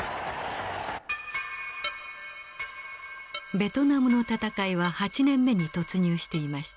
ベトナムの戦いは８年目に突入していました。